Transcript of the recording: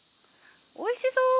おいしそう！